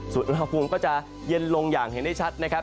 ส่วนอุณหภูมิก็จะเย็นลงอย่างเห็นได้ชัดนะครับ